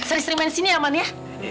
seri seri main sini aman ya